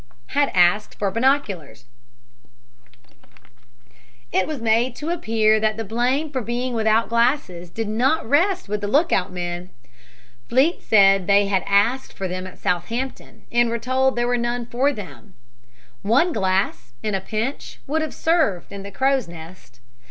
HAD ASKED FOR BINOCULARS It was made to appear that the blame for being without glasses did not rest with the lookout men. Fleet said they had asked for them at Southampton and were told there were none for them. One glass, in a pinch, would have served in the crow's nest.